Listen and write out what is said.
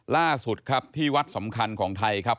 ล่าสุดครับที่วัดสำคัญของไทยครับ